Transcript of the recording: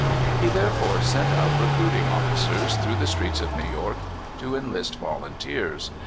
He therefore sent out recruiting officers through the streets of New York, to enlist volunteers.